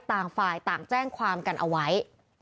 ต่างฝ่ายต่างแจ้งความกันเอาไว้